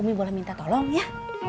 kami boleh minta tolong ya